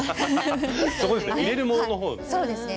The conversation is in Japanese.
そこですね入れるものの方ですね。